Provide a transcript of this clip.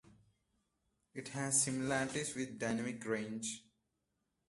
It has similarities with dynamic range.